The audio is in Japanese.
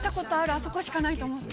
あそこしかないと思って。